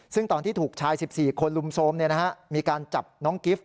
ซึ่งตอนที่ถูกชาย๑๔คนลุมโทรมมีการจับน้องกิฟต์